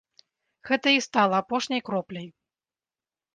Гэта і стала апошняй кропляй.